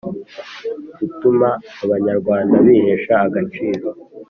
gutuma abanyarwanda bihesha agaciro